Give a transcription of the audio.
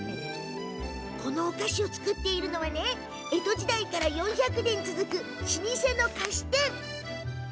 このお菓子を作っているのは江戸時代から４００年続く老舗の菓子店。